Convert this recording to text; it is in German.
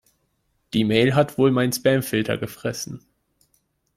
Die Mail hat wohl mein Spamfilter gefressen.